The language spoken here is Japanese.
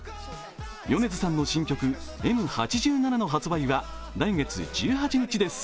米津さんの新曲「Ｍ八七」の発売は来月１８日です。